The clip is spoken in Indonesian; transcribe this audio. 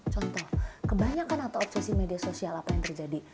contoh kebanyakan atau obsesi media sosial apa yang terjadi